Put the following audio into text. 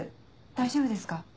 大丈夫ですか？